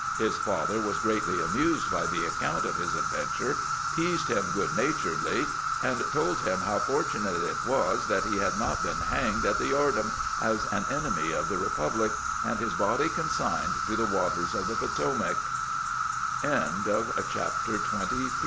His father was greatly amused by the account of his adventure, teased him good naturedly, and told him how fortunate it was that he had not been hanged at the yard arm as an enemy of the republic, and his body consigned to the waters of the Poto